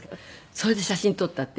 それで写真撮ったっていう。